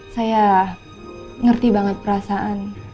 saya ngerti banget perasaan